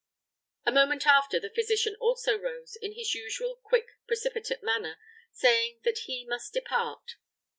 A moment after, the physician also rose, in his usual, quick, precipitate manner, saying that he must depart.